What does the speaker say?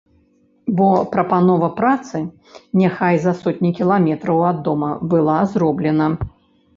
Бо прапанова працы, няхай за сотні кіламетраў ад дома, была зроблена!